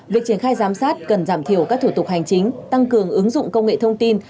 việc triển khai giám sát cần giảm thiểu các thủ tục hành chính tăng cường ứng dụng công nghệ thông tin